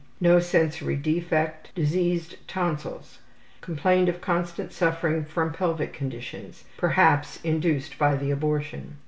No sensory defect. Diseased tonsils. Complained of constant suffering from pelvic conditions, perhaps induced by the abortion.